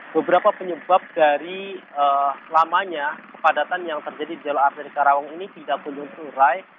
beberapa penyebab dari lamanya kepadatan yang terjadi di jalur arteri karawang ini tidak kunjung terurai